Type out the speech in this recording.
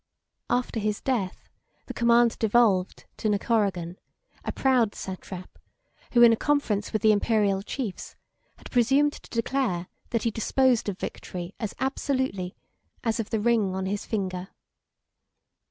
After his death, the command devolved to Nacoragan, a proud satrap, who, in a conference with the Imperial chiefs, had presumed to declare that he disposed of victory as absolutely as of the ring on his finger.